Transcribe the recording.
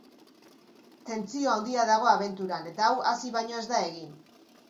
Tentsio handia dago abenturan, eta hau hasi baino ez da egin.